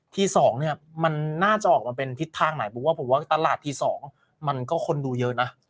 ที๒มันน่าจะออกมาเป็นทิศทางหน่อยผมว่าตลาดที๒มันก็คนดูเยอะนะ